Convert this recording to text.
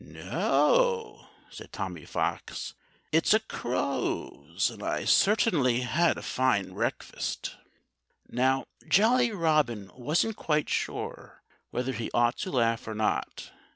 "No!" said Tommy Fox. "It's a crow's; and I certainly had a fine breakfast." Now, Jolly Robin wasn't quite sure whether he ought to laugh or not.